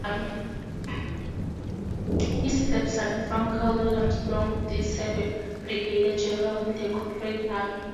His stepson, Frank Crawford Armstrong, did serve as brigadier general in the Confederate army.